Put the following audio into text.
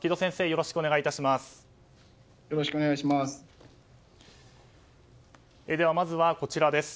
よろしくお願いします。